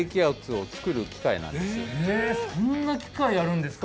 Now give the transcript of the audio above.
そんな機械あるんですか？